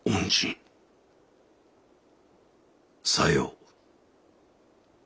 さよう。